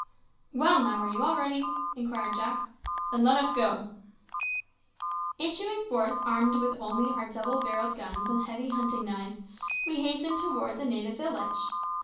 "Well, now, are you all ready?" inquired Jack. "Then let us go." Issuing forth armed only with our double barrelled guns and heavy hunting knives, we hastened towards the native village.